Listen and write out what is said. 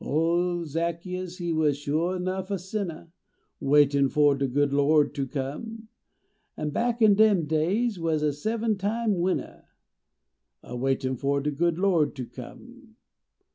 Ole Zacchens he was a sliuuh miff sinnah, Waitin fo de good Lo d ler come, An back in dem days was a seven time winner, A waitin fo de Lo d ter come.